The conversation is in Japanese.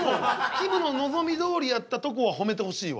きむの望みどおりやったとこはほめてほしいわ。